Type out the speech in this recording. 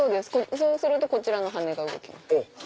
そうするとこちらの羽が動きます。